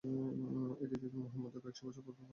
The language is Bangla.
এই রীতিনীতি মুহাম্মদের কয়েকশো বছর পূর্বে প্রণীত করেছিলেন।